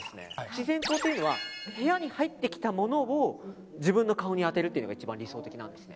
自然光というのは部屋に入ってきたものを自分の顔に当てるというのが一番理想的なんです。